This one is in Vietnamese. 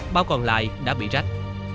bao còn lại đã bị rách